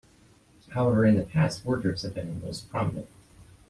However, in the past wardrobes have been the most prominent.